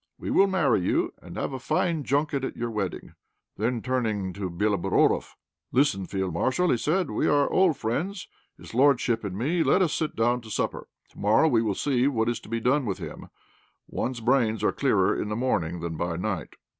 We will marry you, and have a fine junket at your wedding." Then, turning to Béloborodoff, "Listen, field marshal," said he, "we are old friends, his lordship and me; let us sit down to supper. To morrow we will see what is to be done with him; one's brains are clearer in the morning than by night."